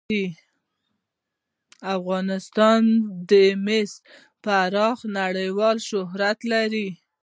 افغانستان د مس په برخه کې نړیوال شهرت لري.